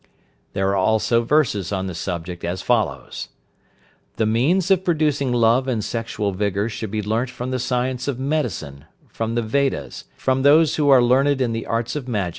There are also verses on the subject as follows: "The means of producing love and sexual vigour should be learnt from the science of medicine, from the Vedas, from those who are learned in the arts of magic, and from confidential relatives.